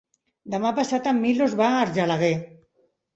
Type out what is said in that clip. Demà passat en Milos va a Argelaguer.